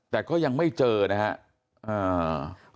แต่ก็ยังไม่เจอนะครับ